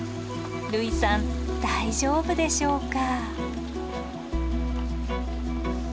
類さん大丈夫でしょうか。